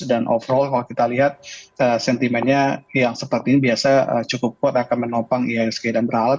dan overall kalau kita lihat sentimentnya yang seperti ini biasa cukup kuat akan menopang ihsg dan beralat